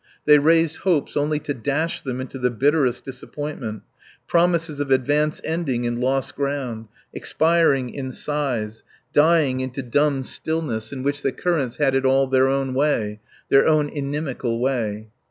They raised hopes only to dash them into the bitterest disappointment, promises of advance ending in lost ground, expiring in sighs, dying into dumb stillness in which the currents had it all their own way their own inimical way.